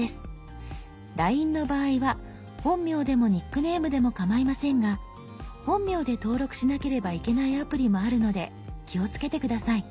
「ＬＩＮＥ」の場合は本名でもニックネームでもかまいませんが本名で登録しなければいけないアプリもあるので気をつけて下さい。